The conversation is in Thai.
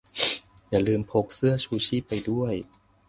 อย่าลืมพกเสื้อชูชีพไปด้วย